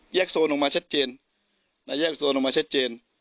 แยกโซนลงมาชัดเจนแยกโซนลงมาชัดเจน